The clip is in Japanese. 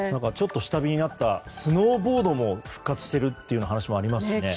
ちょっと下火になったスノーボードも復活してるって話もありますしね。